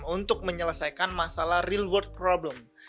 untuk menyelesaikan masalah real world problem